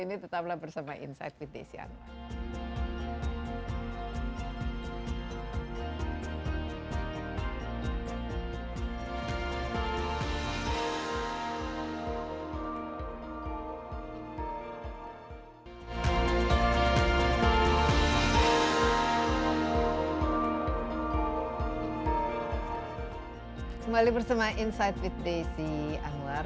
setelah yang berikut ini tetaplah bersama insight with desy anwar